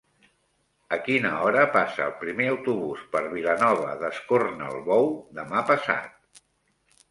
A quina hora passa el primer autobús per Vilanova d'Escornalbou demà passat?